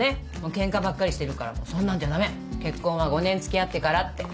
ケンカばっかりしてるからそんなんじゃダメ結婚は５年付き合ってからって。